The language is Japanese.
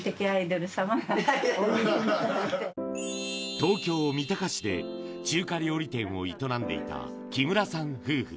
東京・三鷹市で中華料理店を営んでいた木村さん夫婦。